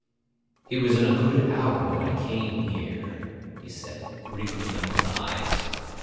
'It was in a good hour that I came here,' he said, wrinkling up his eyes.